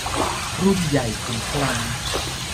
รุ่นใหญ่ขุมพลัง